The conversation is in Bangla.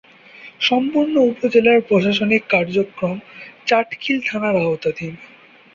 সম্পূর্ণ উপজেলার প্রশাসনিক কার্যক্রম চাটখিল থানার আওতাধীন।